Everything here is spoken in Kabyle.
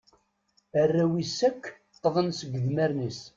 Arraw-is akk ṭṭḍen seg idmaren-is.